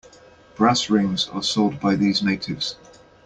Brass rings are sold by these natives.